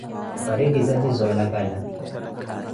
Paretizaya pi za olakala.